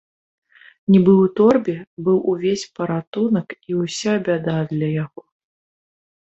Нібы ў торбе быў увесь паратунак і ўся бяда для яго.